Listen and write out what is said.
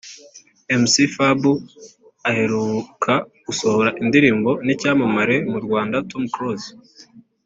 Mc Fab uheruka gusohora indirimbo n’icyamamare mu Rwanda Tom Close